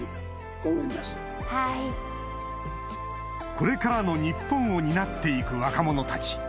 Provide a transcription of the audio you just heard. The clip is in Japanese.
これからの日本を担って行く若者たち